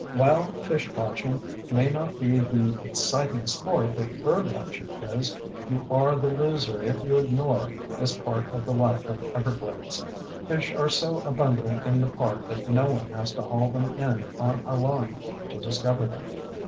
While fish watching may not be the exciting sport that bird watching is, you are the loser if you ignore this part of the life of Everglades. Fish are so abundant in the park that no one has to haul them in on a line to discover them.